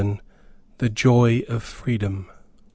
THE JOY OF FREEDOM.